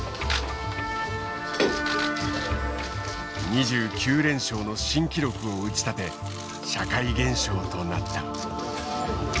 ２９連勝の新記録を打ち立て社会現象となった。